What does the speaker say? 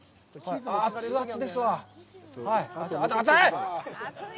熱々ですわ。